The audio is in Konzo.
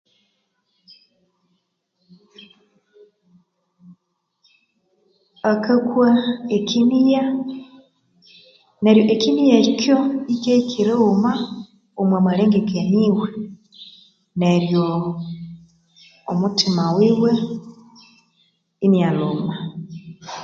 Akakwa ekinigha neryo ekinigha ekyo ikyahikira eghuma omo malengekania iwe neryo omuthima wiwe inialhuma